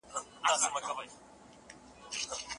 ماکس وِبر وایي چې ټولنیز عمل مانا لري.